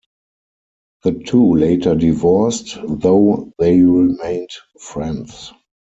The two later divorced, though they remained friends.